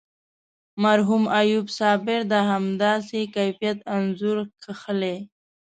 مرحوم ایوب صابر د همداسې کیفیت انځور کښلی.